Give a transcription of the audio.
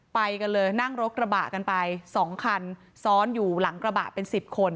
ไปกันเลยนั่งรถกระบะกันไป๒คันซ้อนอยู่หลังกระบะเป็น๑๐คน